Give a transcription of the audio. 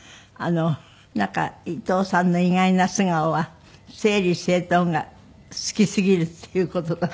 なんか伊藤さんの意外な素顔は整理整頓が好きすぎるっていう事だそうですけど。